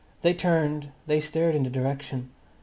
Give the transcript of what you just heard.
They turned, they stared in the direction.